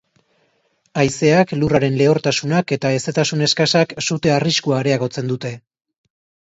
Haizeak, lurraren lehortasunak eta hezetasun eskasak sute arriskua areagotzen dute.